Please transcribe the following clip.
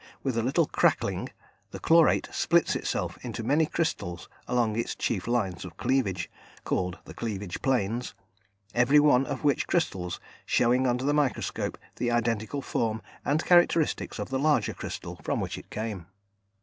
With a little crackling, the chlorate splits itself into many crystals along its chief lines of cleavage (called the cleavage planes), every one of which crystals showing under the microscope the identical form and characteristics of the larger crystal from which it came.